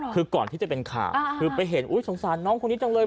คือก่อนที่จะเป็นข่าวคือไปเห็นอุ๊ยสงสารน้องคนนี้จังเลย